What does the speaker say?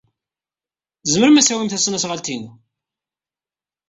Tzemrem ad tawim tasnasɣalt-inu.